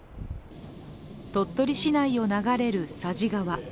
鳥取市内を流れる佐治川。